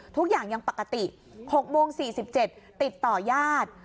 ทุกอย่างยังปกติ๖โมง๔๗ติดต่อยาด